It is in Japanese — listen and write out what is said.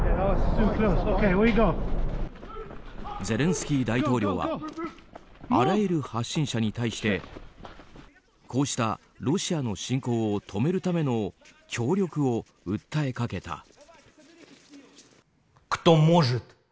ゼレンスキー大統領はあらゆる発信者に対してこうしたロシアの侵攻を止めるための協力を訴えかけた。